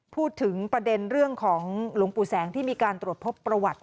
พูดถึงประเด็นเรื่องของหลวงปู่แสงที่มีการตรวจพบประวัติ